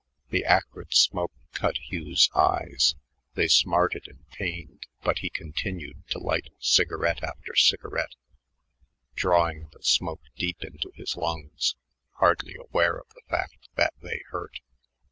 The acrid smoke cut Hugh's eyes; they smarted and pained, but he continued to light cigarette after cigarette, drawing the smoke deep into his lungs, hardly aware of the fact that they hurt.